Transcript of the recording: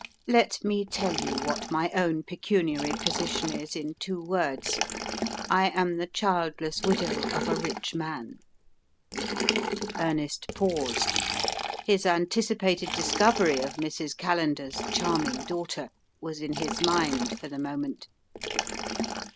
"Let me tell you what my own pecuniary position is in two words: I am the childless widow of a rich man " Ernest paused. His anticipated discovery of Mrs. Callender's "charming daughter" was in his mind for the moment.